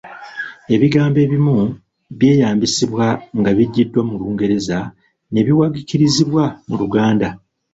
Ebigambo ebimu byeyambisibwa nga biggyiddwa mu Lungereza ne biwagiikirizibwa mu Luganda